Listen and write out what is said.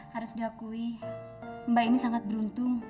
harus diakui mbak ini sangat beruntung